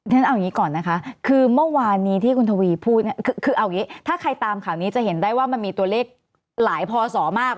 เอาอย่างนี้ก่อนนะคะคือเมื่อวานที่คุณทวีพูดถ้าใครตามข่าวนี้จะเห็นได้ว่ามันมีตัวเลขหลายพอสอมาก